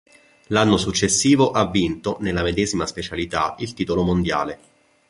L'anno successivo ha vinto, nella medesima specialità, il titolo mondiale.